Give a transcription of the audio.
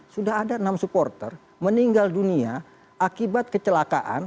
sudah ada enam supporter meninggal dunia akibat kecelakaan